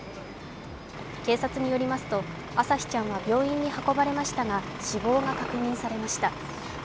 警察によりますと、朝輝ちゃんは病院に運ばれましたが、死亡が確認されました。